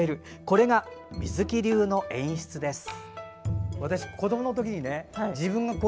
これが、水木流の演出です。